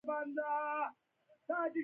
تاسو په دې تونل ورواوړئ هلته مو خیمې دي.